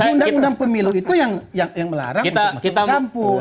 undang undang pemilu itu yang melarang untuk masuk ke kampus